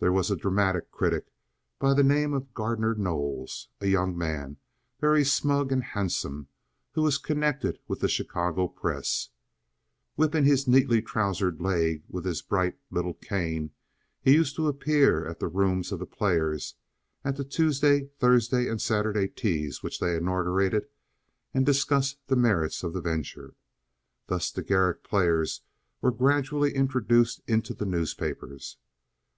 There was a dramatic critic by the name of Gardner Knowles, a young man, very smug and handsome, who was connected with the Chicago Press. Whipping his neatly trousered legs with his bright little cane, he used to appear at the rooms of the players at the Tuesday, Thursday, and Saturday teas which they inaugurated, and discuss the merits of the venture. Thus the Garrick Players were gradually introduced into the newspapers.